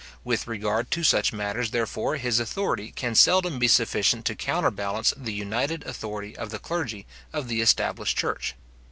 With regard to such matters, therefore, his authority can seldom be sufficient to counterbalance the united authority of the clergy of the established church.